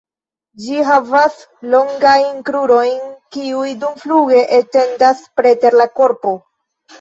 Ĝi havas longajn krurojn kiuj dumfluge etendas preter la korpo.